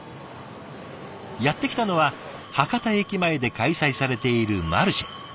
やって来たのは博多駅前で開催されているマルシェ。